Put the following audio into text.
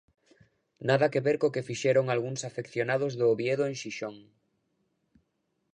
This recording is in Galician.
Nada que ver co que fixeron algúns afeccionados do Oviedo en Xixón.